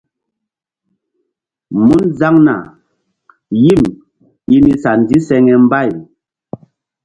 Mun zaŋna yim i ni sa ndiseŋe mbay.